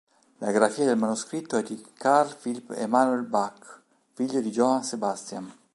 La grafia del manoscritto è di Carl Philipp Emanuel Bach, figlio di Johann Sebastian.